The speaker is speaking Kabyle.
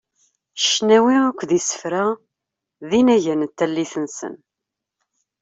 Cnawi akked isefra d inagan n tallit-nsen.